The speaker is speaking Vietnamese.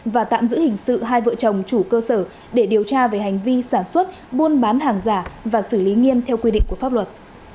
và tạm giữ hình sự hai vợ chồng chủ cơ sở để điều tra về hành vi sản xuất buôn bán hàng giả và xử lý nghiêm theo quy định của pháp luật